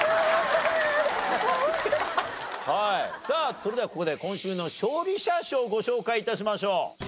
さあそれではここで今週の勝利者賞ご紹介致しましょう。